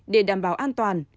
để đảm bảo an toàn